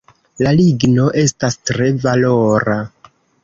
La ligno estas tre valora.